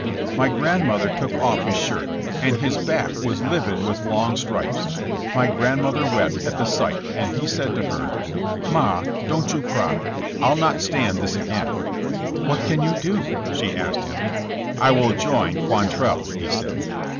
' My grandmother took off his shirt, and his back was livid with long stripes. My grandmother wept at the sight and he said to her: "Ma, don't you cry. I'll not stand this again " "What can you do?" she asked him. "I will join Quantrell," he said.